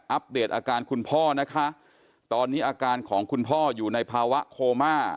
เดตอาการคุณพ่อนะคะตอนนี้อาการของคุณพ่ออยู่ในภาวะโคม่า